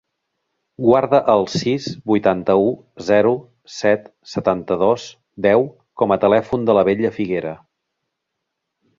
Guarda el sis, vuitanta-u, zero, set, setanta-dos, deu com a telèfon de la Bella Figuera.